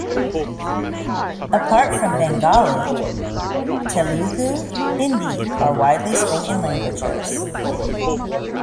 Apart from Bengali, Telugu, Hindi are widely spoken languages.